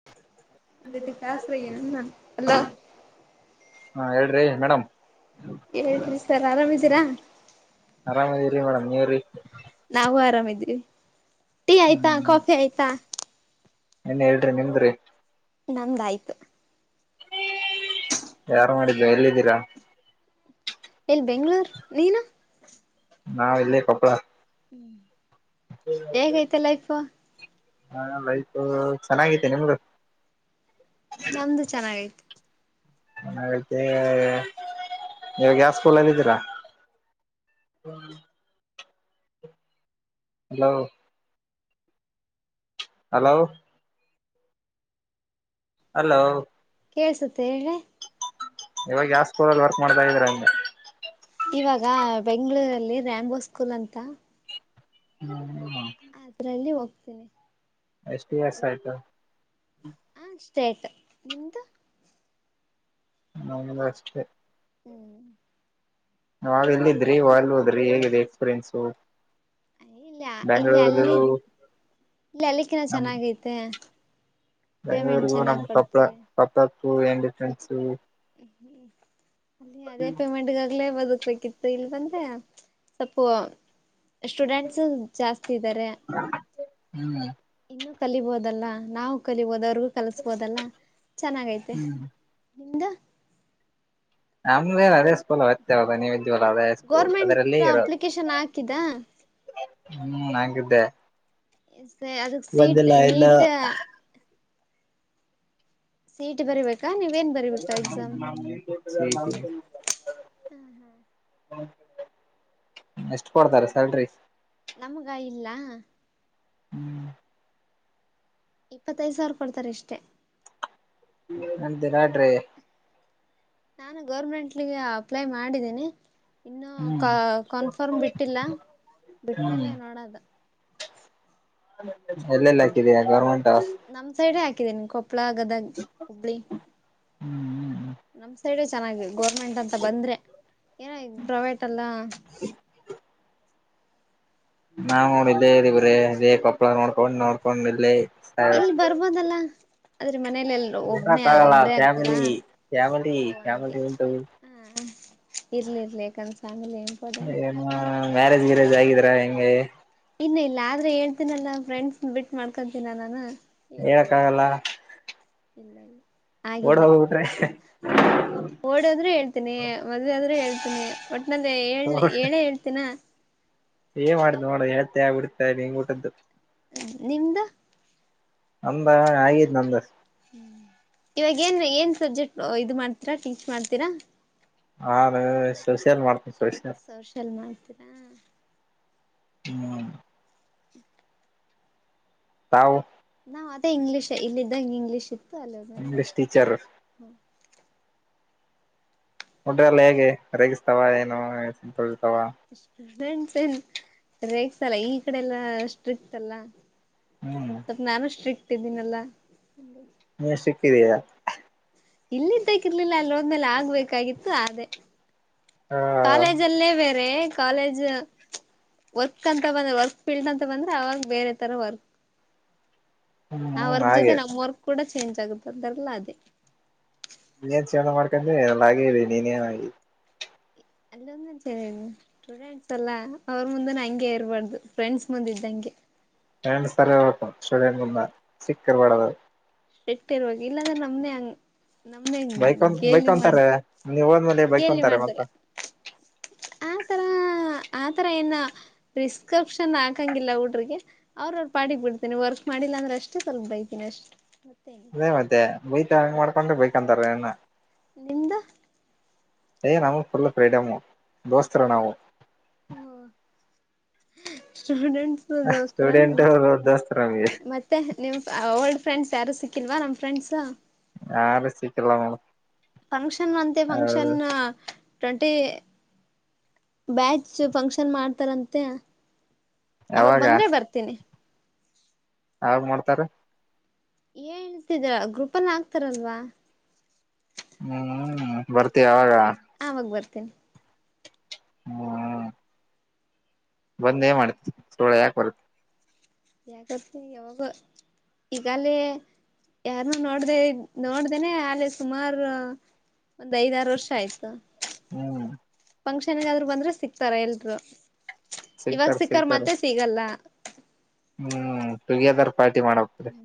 [unintelligible] Hello ಹಾ ಹೇಳ್ರಿ madam. ಹೇಳ್ರಿ ಸರ್ ಆರಾಮಿದೀರಾ. ಅರಾಮ್ ಇದವ್ರಿ ಮೇಡಮ್ ನೀವ್ರೀ. ನಾವು ಆರಾಮಿದೀವಿ ಟೀ ಆಯ್ತಾ ಕಾಫಿ ಆಯ್ತಾ. ಇನ್ ಇಲ್ರಿ ನಿಮ್ದ್ರಿ. ನಂಗ್ ಆಯ್ತು. ಯಾರ್ ಮಾಡಿದ್ದು ಎಲ್ಲಿದ್ದೀರಾ. ಇಲ್ ಬೆಂಗ್ಳೂರ್ ನೀನು. ನಾವ್ ಇಲ್ಲೆ ಕೊಪ್ಪಳ. ಹೇಗೈತೆ ಲೈಪು. ಹಾ ಲೈಪು ಚೆನ್ನಾಗೈತೆ ನಿಮ್ಮ್ ದು ನಮ್ದು ಚೆನ್ನಾಗೈ ತ್- - ಮತ್ತೆ ಇವಾಗ ಸ್ಕೂಲಲ್ ಇದಿದ್ದೀರಾ. [unintelligible] ಹಲೋ ಹಲೋ ಹಲೋ ಕೇಳ್ಸುತ್ತೆ ಹೆಳ್ರಿ. ಇವಾಗ್ ಯಾವ್ ಸ್ಕೂಲಲ್ಲಿ ವರ್ಕ್ ಮಾಡ್ತ ಇದಿರ ಅಂದೆ, ಇವಾಗ ಬೆಂಗ್ಗಳೂರಲ್ಲಿ ರಾಂಬೊ ಸ್ಕೂಲ್ ಅಂತ. ಹ್ಮ ಹ್ಮ ಅದ್ರಲ್ಲಿ ಹೋಗ್ತೀನಿ. ಎಷ್ಟ ದಿವ್ಸ ಆಯ್ತು. ಆ ಸ್ಟೇಟ್ ನಿಮ್ದು ನ ಅಷ್ಟೇ ಹ್ಮ್ ನಾವಾಗ ಎಲ್ಲಿದ್ರಿ ಅಲ್ ಹೋದ್ರಿ ಹೇಗಿದೆ ಎಕ್ಸ್ಪೀರಿಯನ್ಸ ಇಲ್ಲಿ ಇಲ್ಲಿ ಅಲ್ಲಿ ಇಲ್ಲಿ ಅಲ್ಲಿಕ್ಕಿನ ನಮ್ ಚೆನ್ನಾಗೈತೆ ಪೇಮೆಂಟ್ ಬೆಂಗಳೂರಿಗೂ ನಮ್ ಚೆನ್ನಾಗ್ ಕಪ ಕೊಡ್ತಾರೆ ಕಪಪು ಎಂಡ ನ್ಸು ಹ್ಮ್ ಅಲ್ಲಿ ಅದೇ ಪೇಮೆಂಟ್ಗಾಗಲೇ ಬದುಕ್ಬೇಕಿತ್ತು ಇಲ್ ಬಂದ್ರೆ ಸ್ವಪು ಸ್ಟೂಡೆಂಟ್ಸ್ ಜಾಸ್ತಿ ಇದ್ದಾರೆ ಹ್ಮ್ ಇನ್ನು ಕಲಿಬೋದಲ್ಲಾ ನಾವು ಕಲಿಬೋದು ಅವ್ರಿಗೂ ಕಲಸ್ಬೋದಲ್ಲ ಚೆನ್ನಾಗೈತಿ ಹ್ಮ್ ಮತ್ತೆ ನಿಮ್ದ ನಮ್ದೇ ಅದೇ ಸ್ಕೂಲ್ ಹತ್ತರದಿದ್ಯವಾಲ ಅದೇ ಸ್ಕೂಲ್ ಅದರಲ್ಲಿ ಗೋರ್ಮೆಂಟ್ ಇರೋದು ಅಪ್ಲಿಕೇಶನ್ ಹಾಕಿದಾ ಹ್ಮ ಹಾಗಿದ್ದೆ ಸ ಅದಕ್ಕೆ ಸೀಟ್ ಬಂದಿಲ್ಲ ಇಲ್ಲ ನೀಟ್ ಸೀಟ್ ಬರಿಬೇಕಾ ನೀವೇನ್ ಬರಿಬೇಕಾ ಎಕ್ಸಾಮ್ ಹ್ಮ ಹ ಸ [unintelligible] ಎಷ್ಟು ಕೊಡ್ತಾರ ಸ್ಯಾಲ್ರಿ ನಮ್ಗ ಇಲ್ಲ ಹ್ಮ್ ಇಪ್ಪತ್ತದ ಸಾವಿರ ಕೊಡ್ತಾರೆ ಅಷ್ಟೇ ನಂತ ನಾಡ್ರಿ ನಾನು ಗೌರ್ಮೆಂಟ್ಗೆ ಅಪ್ಲ ಮಾಡಿದ್ದೀನಿ ಇನ್ನು ಕ ಹ್ಮ್ ಕನ್ಫರ್ಮ್ ಬಿಟ್ಟಿಲ್ಲ ಹ್ಮ್ ಬಿಟ್ಟ್ಮೇಲೆ ನೋಡದು ಎಲ್ಲೆಲ್ಲ ಹಾಕಿದಯಾ ಗೌರ್ಮೆಂಟ್ ನಮ್ ಸೈಡ್ ಹಾಕಿದ್ದೀನಿ ಕೊಪ್ಪಳ ಗದ ಹುಬ್ಬಳಿ ಹ್ಮ್ ಹ್ಮ್ ಹ್ಮ್ ನಮ್ ಸೈಡ್ ಚೆನ್ನಾಗಿ ಗೋರ್ಮೆಂಟ್ ಅಂತ ಬಂದ್ರೆ ಏನ ಈ ಪ್ರೈವೇಟ್ ಅಲ್ಲ ನಾವ ನೋಡಿದ್ದೆರಿವ್ರ ರೇ ಕಪ್ಪಳ ನೋಡ್ಕೊಂಡ್ ನೋಡ್ಕೊಂಡ ಇಲ್ಲಿ ಎಲ್ಲಿ ಬರ್ಬೋದಲ್ಲ ಆದ್ರೆ ಮನೇಲಿಲ್ ಕಾಗಲ್ಲಾ ಫಾಮ ಫಾಮ ಓ ಫಾಮ ಹಂಗೆ ಉಂಟ [unintelligible] ಹ ಇರ್ಲಿ ಇರ್ಲಿ ಯಾಕಂದ್ರೆಫ್ಯಾಮಿಲಿ ಎಂಪ ಏನ ಮ್ಯಾರೇಜ್ ಗಿರೇಜ್ ಆಗಿದೀರಾ ಹೆಂಗೆ ಇನ್ನ ಇಲ್ಲ ಆದ್ರೆ ಹೇಳ್ತೀನಲ್ಲಾ ಫ್ರೆಂಡ್ಸ್ ಬಿಟ್ಟು ಮಾಡ್ಕೊತನ ನಾನು ಹೇಳಕ್ಕ ಆಗಲ್ಲ ಇಂಗ್ಲೆಂಡ್ ಓಡ್ ಆಗಿಲ್ಲ ಹೋಗ್ಬಿಟ್ರೆ ಓಡದ್ ಹೇಳ್ತೀನಿ ಮದ್ವಾದ್ ಹೇಳ್ತೀನಿ ಒಟ್ಟನಲ್ಲಿಳ್ ಹೇಳೇ ಹೇಳ್ತಿ ತಿನ ಏ ಮಾಡ್ದ್ ನೋಡ ಹೇಳ್ತಾ ಬಿಡತಾ ಹಂಗ್ ಊಟದ್ದು ಹ ನಿಮ್ದ ಅಂಬ ಆದ್ ನ್ದ ಇವಾಗ ಏನ್ ಏನ್ ಸಬ್ಜೆಕ್ಟ್ ಇದು ಮಾಡ್ತೀರಾ ಟೀಚ್ ಮಾಡ್ತೀರಾ ಹಾ ಸಷಿಯಲ್ ಮಾಡ್ತೀನಿ ಸಷ ಸೌಶಲ್ ಮಾತ್ರರಾ ಜನ್ ಹ್ಮ ತಾವು ನಾವ್ ಅ ಇಂಗ್ಲಿಷ ಇ ಇದಾಗ ಇಂಗ್ಲೀಷ್ ಇತ್ತು ಅಲ್ಲಿದ್ಮೇಲೆ ಇಂಗ್ಲಿಷ್ ಟೀಚರ್ ಉಡ್ರೆಲ್ಲ ಹೇಗೆ ರೇಗಿಸ್ತಾವ ಏನು ತೋತಾವ ಸ್ಟೂಡೆಂಟ್ಸ್ ಏನ್ ರೇಗ್ಸ್ ಅಲ್ಲ ಈ ಕಡೆ ಎಲ್ಲಾ ಸ್ಟ್ರಿಕ್ಟ್ ಅಲ್ಲ ಹ್ಮ್ ಸ ನಾನು ಸ್ಟ್ರಿಕ್ಟ್ ಇದ್ದೀನಲ್ಲ ನೀ ಸಿಕ್ಕಿದೀಯಾ ಇಲ್ಲಿದ್ದಕ್ಕ ಇರ್ಲಿಲ್ಲ ಅಲ್ಲಿದ್ಮೇಲೆ ಆಗ್ಬೇಕಾಗಿತ್ತು ಅದೇ ಹಾ ಕಾಲೇಜ ಅಲ್ಲೇ ಬೇರೆ ಕಾಲೇಜ್ ವರ್ಕ್ ಅಂತ ಬಂದ್ರೆ ವರ್ಕ್ ಫೀಲ್ಡ್ ಅಂತ ಬಂದ್ರೆ ಅವಾಗ ಬೇರೆ ತರ ವರ್ಕ್ ಆ ಹ್ಮ್ ವರ್ಕ್ ಜೊತೆ ಹಾಗೆ ನಮ್ ವರ್ಕ್ ಕೂಡ ಚೇಂಜ್ ಆಗುತ್ತ ಅಂತಾರಲ್ಲ ಅದೇ ನೀನ್ ಚ ಮಾಡ್ಕೊಂಡ್ರೆ ಎಲ್ಲ ಹಾಗೇ ನೀನೇನಿ ಅಲ್ಲಿದ ಚರಿನು ಸ್ಟೂಡೆಂಟ್ಸ್ ಅಲ್ಲಾ ಅವ್ರ ಮುಂದೆ ಹಂಗೆ ಇರ್ಬಾರ್ದು ಫ್ರೆಂಡ್ಸ್ ಮುಂದೆ ಇದ್ದಂಗೆ ನಂಡ ಸ್ಥೋಕ ಚಳಿಯನ್ಂದ ಚಕ್ಕರ್ ಪಡದು ಎೆಟ್ಟ ಇರ್ರುವಾಗ ಇಲ್ಲಾಂದ್ರೆ ನಮ್ದೇ ಹಂಗ ನಮೇ ಬೈಕೊಂತ ಗೇಲಿ ಬೈಕೊಂತಾರೆ ಮಾಡ್ತಾರ ನೀವ್ ಹೋದ್ಮೇಲೆ ಗೇಲಿ ಬೈಕೊಂತಾರೆ ಮಾಡ್ತಾರ ಮತ್ತ ಆತರ ಆತರ ಏನ ಪ್ರಿಸ್ಕ್ರಿಪ್ಷನ್ ಹಾಕಂಗಿಲ್ಲ ಊಟ್ರಿಗೆ ಅವ್ರ ಅವ್ರರು ಪಾಡಿಗೆ ಬಿಡ್ತೇನೆ ವರ್ಕ್ ಮಾಡಿಲ್ಲ ಅಂದ್ರೆ ಅಷ್ಟೇ ಸ್ವಲ್ಪ ಬೈತಿನಿ ಅಷ್ಟ್ ಮತ್ತೆ ಅದೇ ಮತ್ತೆ ಬೈತ ಹಂಗ ಮಾಡ್ಕೊಂಡ್ರೆ ಬೇಕಕ್ಂತಾರ ನಿಮ್ದ ಏ ನಮ್ಮ ಫುಲ್ ಫ್ರೀಡಮ್ ದೋಸ್ತರು ನವು ಹ ಸ್ಟೂಡೆಂಟ್ಸ್ ಸ್ಟೂಡೆಂಟ್ ದೋಸ್ತರ ನಮ್ಗೆ ಮತ್ತೆ ನಿಮ್ ಓಲ್ಡ್ ಫ್ರೆಂಡ್ಸ್ ಯಾರು ಸಿಕ್ಕಿಲ್ವಾ ನಮಮ್ಮ ಫ್ರೆಂಡ್ಸ್ ಯಾರು ಸಿಕ್ಕಿಲ್ಲ ಮೇಡಮ್ ಫಂಕ್ಷನ್ ಅಂತೆ function twenty batch function ಮಾಡ್ತಾರಂತೆ ಅವಾಗ ಯಾವಾಗ ಬಂದ್ರೆ ಬರ್ತೀನಿ ಯಾವ್ ಮಾಡ್ತಾರ ಏ ಹಳ್ತಿದರ ಗ್ರೂಪ್ ಎಲ್ಲ ಆಗ್ತಾರಲ್ವಾ ಹ್ಮ್ ಬರ್ತೀವಿ ಅವಾಗ ಆವಾಗ ಬರ್ತೀನಿ ಹ್ಮ ಬಂದ ಏ ಮಾಡ್ತೆ ಸೋಳ ಯಾಕೆ ಬರುತ್ತೆ ಯಾಕತ್ ಯಾವಾಗ ಈಗಲೇ ಯಾರನ್ನ ನೋಡ್ದ ನೋಡ್ದೇನೆ ಅಲ್ಲಿ ಸುಮಾರು ಒಂದ್ ಐದಾರು ವರ್ಷ ಆಯ್ತು ಹ್ಮ್ ಫಂಕ್ಷನ್ಗ ಆದ್ರರು ಬಂದ್ರೆ ಸಿಕ್ತಾರ ಎಲ್ರು ಇವಾಗ ಸಿಗ್ತಾರ ಸಿಕ್ಕರ್ ಸಿಗ್ತಾರ ಮತ್ತೆ ಸಿಗಲ್ಲ ಹ್ಮ್ ಟುಗೆದರ್ ಪಾರ್ಟಿ ಮಾಡಪ್ಪ ಹ್ಮ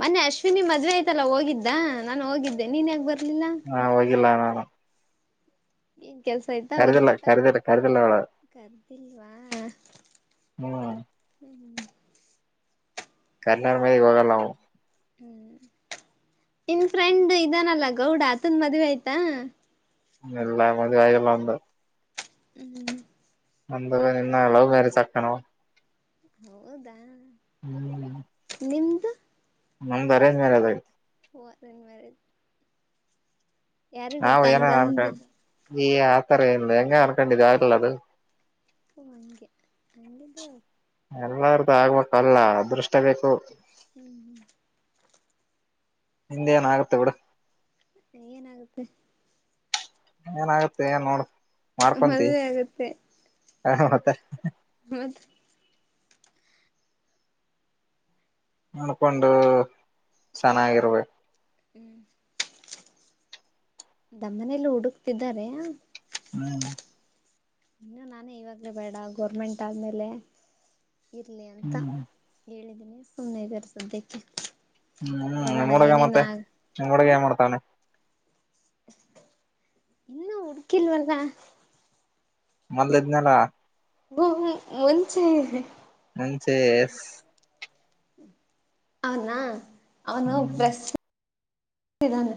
ಮೊನ್ನೆ ಅಶ್ವಿನಿ ಮದ್ವೆ ಆಯ್ತಲ್ಲ ಹೋಗಿದ್ದ ನಾನು ಹೋಗಿದ್ದೆ ನೀನ್ ಯಗ್ ಬರ್ ಹಾ ಹೋಗಿಲ್ಲ ನಾನು ಏನ್ ಕೆಲ್ಸ ಯ್ ಕರಿದಿಲ್ಲಲ್ಲ ಕರದಿಲ್ಲ ಕರದಿಲ್ಲ ನಳ ಕದಲ್ವಾ ಹ್ಮ್ ಹ್ಮ ಕರ್ನಾಡ್ ಮದಿಗೆ ಹೋಗಲ್ಲಾವು ಹ್ಮ್ ನಿನ್ ಫ್ರೆಂಡ್ ಇದಾನಲ್ಲ ಗೌಡ ಆತನ್ ಮದ್ವೆ ಆಯ್ತಾ ಎಲ್ಲ ಮದ ಕಾಯ ಎಲ್ಲ ಒಂದು ಹ್ಮ್ ನಂದವ ನಿನ್ನ ಎಲ್ಲ ಬೇರೆ ಚಕ್ಕನ ಹೌದಾ ಹ್ಮ್ ನಿಮ್ದ ನಮ್ದ್ ಅರೇಜ್ ಮೇಲೆ ಅದಾಗೆ ಓದನ್ ಮರೆ ನಾವು ಗೊತ್ತ ಏನ ಹಂಗಂದು ಅನ್ಕೊಂಡ್ ಈ ಆತರ ಇಿಂದ ಹೆಂಗ ಅನ್ಕೊಂಡು ಇ ಆಗ್ಲ್ಲ ಅದು ಹ ಮಂಗೆ ಅಂಗಗೆದ ಎಲ್ಲಾರ್ದು ಆಗ್ಬೇಕಲ್ಲ ಅದೃಷ್ಟ ಬೇಕು ಹ್ಮ್ ಹ್ಮ್ ನಿಿಂದ್ ಏನ ಆಗುತ್ತೆ ಬಿಡ ಏನಾಗುತ್ತೆ ಏನಾಗುತ್ತೆ ಏನ್ ನೋಡ್ ಮಾಡ್ಕೊಂತ ಮದ್ವೆ ಆಗುತ್ತೆ ಮೌದ ನಡ್ಕೊಂಡು ಚೆನ್ನಾಗಿರ್ಬೇಕು ಹ್ಮ್ ದಮ್ಮನೆಯಲ್ಲಿ ಹುಡುಕ್ತಾರ ಹ್ಮ್ ಇನ್ನುೂ ನಾನೇ ಇವಾಗಲೇ ಬೇಡ ಗೋರ್ಮೆಂಟ್ ಆದಮೇಲೆ ಇರಲಿ ಅಂತ ಹ್ಮ್ ಹೇಳಿದೀನಿ ಸುಮ್ಮನೆ ಬರ್ಸ್ದ್ಯಕ್ಕೆ ಹ್ಮ್ ನಿಮ್ ಹುಗ ಮತ್ತೆ ನಿಮ್ಮ್ ಹುಡಗ ಏ ಹ್ಮ್ ಮಾಡ್ತಾವಾನೆ ಇನ್ನೂ ಉಡುಕಿಲ್ಲವಲ್ಲ ಮೊದ್ಲೇಜ್ನಾನ ಹ್ಮ ಒಂಚ ಮಂಚೆ ಎ ಅವನಾ ಅವನು ಹ್ಮ್ ಪ್ರಶ ಇದಾನೆ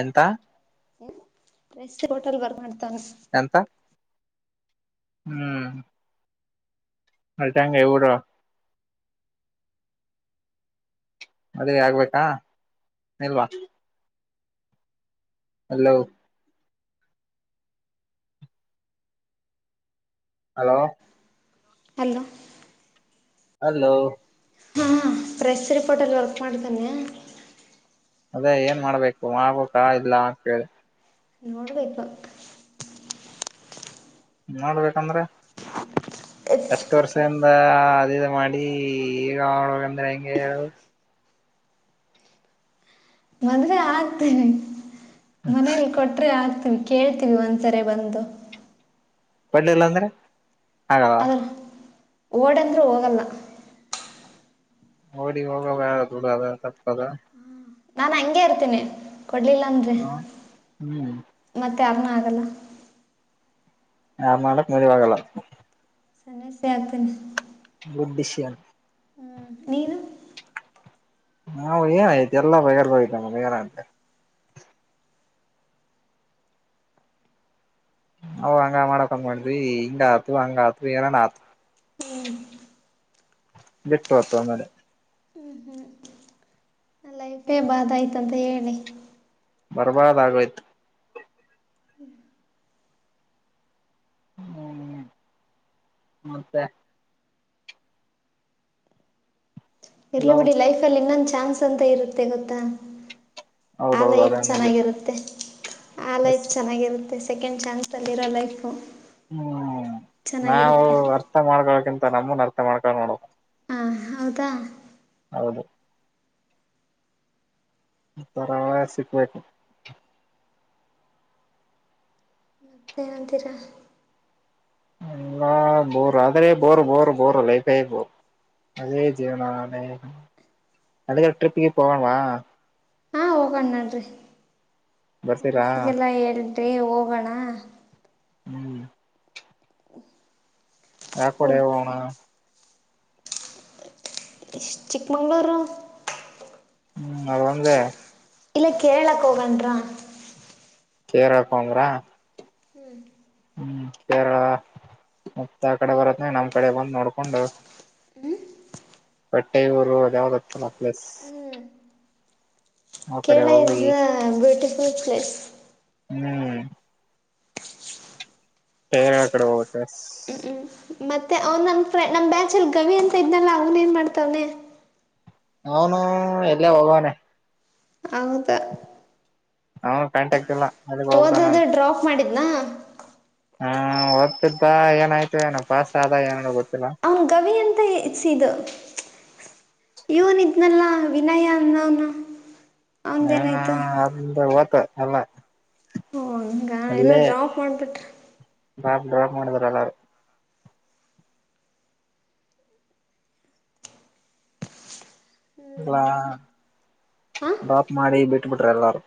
ಎಂತ ರಸ್ ಹೋಟಲ್ ಬರ್ ಮಾಡ್ತನ್ ಎಂತ ಹ್ಮ್ ಅಟಂಗ ಎವಡು ಮದ್ುವೆ ಆಗ್ಬೇಕಾ ಇಲ್ವಾ ಹಲೋ ಹಲೋ ಅಲೋ ಹಲೋ ಹಾಞ ಪ್ರೆಸ್ ರಿಪೋರ್ಟಲ್ಲಿ ವರ್ಕ್ ಮಾಡ್ಿದ್ದಾನೆ ಅದೇ ಏನ್ ಮಾಡ್ಬೇಕು ಮಾಡಬೇಕಾಗಿಲ್ಲ ನೋಡು ಬಯಪ ನೋಡ್ಬೇಕಂದ್ರೆ ಎಷ್ಟ ವರ್ಷದಿಂದ ಅದ ಮಾಡ ಈ ಹೇಳಬೇಕಂದ್ರೆ ಹೆಂಗೆ ಮದುವೆಆಗ್ತೇವಿ ಮನೇಲಿ ಕೊಟ್ರೆ ಆಗ್ತವಿ ಕೇಳ್ತೀವಿ ಒಂದ್ಸರಿ ಬಂದು ಬರ್ಲಿಲ್ಲ ಅಂದ್ರೆ ಆಗಲ್ಲ ಅದ ಓಡೆಂದ್ರೂ ಹೋಗಲ್ಲ ಓಡಿ ಹೋಗ ಯಾರದುಡದ ತಪ್ಪದ ನಾನ್ ಹಂಗೆ ಇರ್ತೇನೆ ಕೊಡ್ಲಿಲ್ಲ ಅಂದ್ರೆ ಹ್ಮ್ ಮತ್ತೆ ಯಾರ್ನು ಆಗಲ್ಲ ಯಾರ ಮಾಡಕ್ ಮದಿವಿವಾಗಲ್ಲ ಸನ್ನ ಸ ಅತನ [inaudible] ಗಂಡಿಸಿಯನ್ ಹ್ಮ್ ನೀನು ನಾವು ಏನ್ ಆಯ್ತ ಎಲ್ಲ ಬಗ್ಗೆ ಯಾರದು ಹೋಗೈತಿ ಏನ್ ಬೇರಯ ನಾವು ಹಂಗ ಮಾಡಕಂದ್ ಮಾಡಿದ್ವಿ ಹಿಂಗ ಆತು ಹಂಗ ಆತು ಏನನ್ ಆತು ಹ್ಮ್ ಬಿಟ್ಟು ಅತ್ತು ಆಮೇಲೆ ಹ್ಞೂ ಹ್ಞೂ ನ ಲೈಫೇ ಬಾಧ ಆಯತುಂತ ಹೇಳಿ ಬರ್ಬಾರ್ದ ಆಗ ಆಯ್ತು ಹ್ಮ್ ಮತ್ತೆ ಇರ್ಲಿ ಹಲೋ ಬಿಡಿ ಲೈಫ ಅಲ್ಲಿ ಇನ್ನೊಂದು ಚಾನ್ಸ್ ಅಂತ ಇರುತ್ತೆ ಗೊತ್ತಾ ಆ ಹೌದೌದು ಲೈಫ್ ಅದ ನಿಜ ಚೆನ್ನಾಗಿರುತ್ತೆ ಆ ಎಸ್ ಲೈಫ್ ಚೆನ್ನಾಗಿರುತ್ತೆ ಸೆಕೆಂಡ್ ಚಾನ್ಸ್ ಅಲ್ಲಿ ಇರೋ ಲೈಫ್ ಹ್ಮ್ ನಾವವು ಅರ್ಥ ಮಾಡ್ಕೋಕಿಂತ ನಮ್ಮನ್ ಅರ್ಥ ಮಾಡ್ಕೊಂಡ ನೋಡ ಹ ಹೌದಾ ಹೌದು ತರ ಸಿಕ್ಬೇಕು ಮತ್ತೆ ಏನಂತೀರಾ ಎಲ್ಲಾ ಬೋರ್ ಆದ್ರೆ ಬೋರ್ ಬೋರ್ ಬೋರ್ ಲೈಫ್ ಪೇಬ ಅದೇ ಜೀವನ ಅದಕ್ಕೆ ಟ್ರಿಪ ಗಿಪ್ಗೆ ಹೋಗೋಣ್ವಾ ಹಾ ಹೋಗೋಣ ನಡರಿ ಬರ್ತೀರಾ ನನ್ಸಿಗೆಲ್ಲ ಹೇಳಿ ಹೋಗೋಣ ಹ್ಮ್ ಒಫ್ ಯಾ ಕಡೆ ಹೋಗೋಣ ಇ ಚಿಕ್ಕಮಂಗಳುರು ಹ್ಮ್ ಅದ ಒಂದೇ ಇಲ್ಲ ಕೇರಳಕ್ಕೆ ಹೋಗಣ್ರಾ ಕೇರಳ ಹೋಗ. ಬ್ರಾ ಹ್ಮ್ ಹ್ಮ್ ಕೇರಳ ಮತ್ತ ಯಾ ಕಡೆ ಬರುತ್ತೆ ನಮ್ ಕಡೆ ಬಂದು ನೋಡ್ಕೊಂಡು ಬಟ್ಟೆ ಊರು ಯಾವ್ದತಲ್ಲ ಪ್ಲಸ್ ಹ್ಞೂ ಕಡೆ ಕೇರಳ ಇಸ್ ಹೋಗಿ ಅ ಬ್ಯೂಟಿಫುಲ್ ಪ್ಲೇಸ್ ಹ್ಮ್ ಕೇರಳ ಕಡೆ ಹೋಗತ ಹ್ಞೂ ಹ್ಞೂ. ಮತ್ತೆ ಅವ್ನ್ ನನ್ ನಮ್ ಬ್ಯಾಚ್ ಅಲ್ಲಿ ಗವಿ ಅಂತ ಇದ್ನಲ್ಲ ಅವನ ಏನ್ ಮಾಡ್ತವ್ನೆ ಅವನು ಎಲ್ಲೇ ಹೋಗವಾನೆ ಹೌದಾ ಹಾ ಕಾಂ್ ಆಗ್ತಿಲ್ಲ [inaudible] ಹೋದದು ಡ್ರಾಪ್ ಮಾಡಿದನಾ ಓದುತ್ತಿದ್ದ ಏನಾಯ್ತು ಏನ ಪಾಸ್ ಆದ ಏನ ಗೊತ್ತಿಲ್ಲ ಅವನು ಗವಿಯಂತ ಇಸಿದ ಇವನೂ ಇದ್ನಲ್ಲ ವಿನಯ ಅಂದವನು ಹಾ ಅ ಗತ್ತು ಅಲ್ಲ [inaudible] ಹ ಹಂಗ ಎಲ್ಲಾ ಡ್ರಾಪ್ ಮಾಡ್ಬಿಟ್ರಾ ಡ್ರಾಪ್ಡ್ರಾಪ್ ಮಾಡಿದ್ರು ಎಲ್ಲರೂ ಎಲ್ಲ ಹಾಂ ಡ್ರಾಪ್ ಮಾಡಿ ಬಿಟ್ಬಿಟ್ರು ಎಲ್ಲಾರು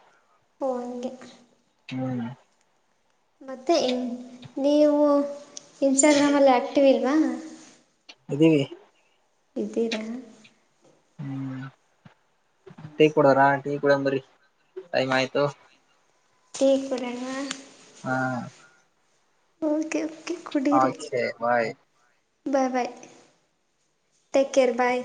ಓ ಹಂಗೆ ಹ್ಮ್ ಮತ್ತೆ ಇ ನೀವು ಇನ್ಸ್ಟಾಗ್ರಾಮಲ್ಲಿ ಆ್ಯಕ್ಟಿವ್ ಇಲ್ವಾ ಅದೀವಿ ಇದ್ದೀರಾ ಟೀ ಕುಡಿದ್ರಾ ಟೀ ಕುಡಿಯೋಣ ಬನ್ನಿ ಟೈಮ್ ಆಯ್ತು ಟೀ ಕುಡಿಯೋಣ ನಾ ಹಾ ಓಕೆ ಕುಡೀರಿ okay bye bye bye take care ಬಾಯ್